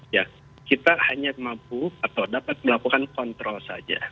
ya kita hanya mampu atau dapat melakukan kontrol saja